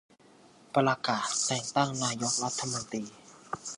ประกาศแต่งตั้งนายกรัฐมนตรี